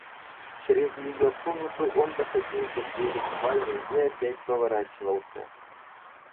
Чрез ее комнату он доходил до двери спальни и опять поворачивался.